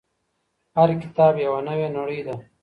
هر کتاب يوه نوې نړۍ ده.